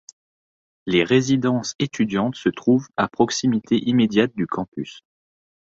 Les résidences étudiantes se trouvent à proximité immédiate du campus.